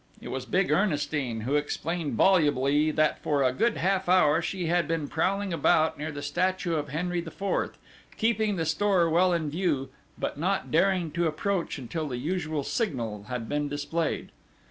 It was big Ernestine, who explained volubly that for a good half hour she had been prowling about near the statue of Henry IV, keeping the store well in view, but not daring to approach until the usual signal had been displayed.